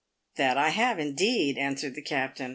" That I have, indeed," answered the captain.